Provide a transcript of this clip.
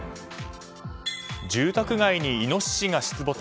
住宅街にイノシシが出没。